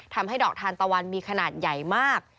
ทำให้ดอกทานตะวันมีขนาดใหญ่มาก